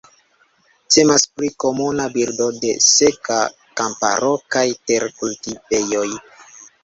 Temas pri komuna birdo de seka kamparo kaj terkultivejoj.